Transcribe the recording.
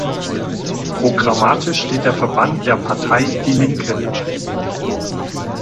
Programmatisch steht der Verband der Partei Die Linke nahe.